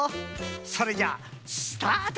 それじゃスタート！